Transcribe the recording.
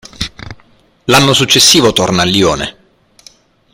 L'anno successivo torna a Lione.